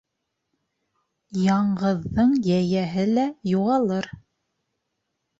Яңғыҙҙың йәйәһе лә юғалыр